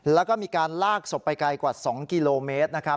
แล้วก็มีการลากศพไปไกลกว่า๒กิโลเมตรนะครับ